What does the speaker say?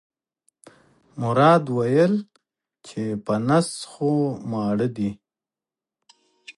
مراد وویل چې په نس خو ماړه دي.